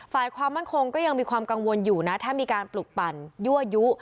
ฝ่ายความมั่นคงก็ยังมีความกังวลอยู่นะถ้ามีการปลุกปั่นยั่วยุ